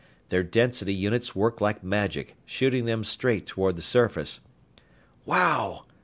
Their density units worked like magic, shooting them straight toward the surface. "Wow!"